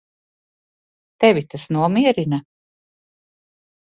Tevi tas nomierina?